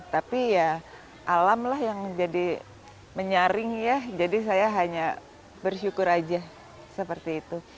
tapi alamlah yang menjadi menyaring jadi saya hanya bersyukur saja seperti itu